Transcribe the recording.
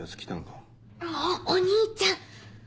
もうお兄ちゃん！